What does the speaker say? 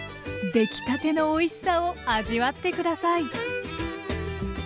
出来たてのおいしさを味わって下さい。